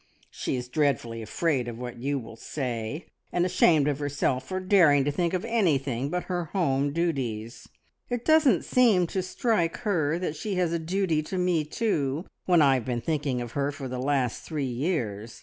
"She is dreadfully afraid of what you will say, and ashamed of herself for daring to think of anything but her home duties. It doesn't seem to strike her that she has a duty to me too, when I have been thinking of her for the last three years.